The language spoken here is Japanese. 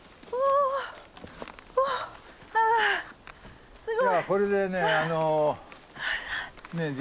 はあすごい！